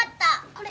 これ！